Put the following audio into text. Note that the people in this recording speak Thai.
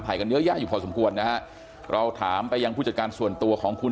กันเยอะแยะอยู่พอสมควรนะฮะเราถามไปยังผู้จัดการส่วนตัวของคุณ